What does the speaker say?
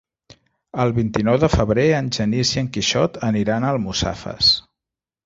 El vint-i-nou de febrer en Genís i en Quixot aniran a Almussafes.